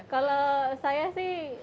kalau saya sih